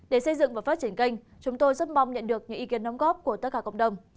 để xây dựng và phát triển kênh chúng tôi rất mong nhận được những ý kiến đóng góp của tất cả cộng đồng